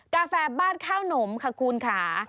กาแฟบ้านข้าวหนมค่ะคุณค่ะ